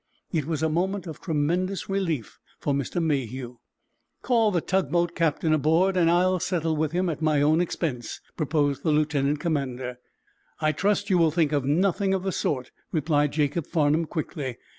It was a moment of tremendous relief for Mr. Mayhew. "Call the tugboat captain aboard, and I'll settle with him at my own expense," proposed the lieutenant commander. "I trust you will think of nothing of the sort," replied Jacob Farnum, quickly.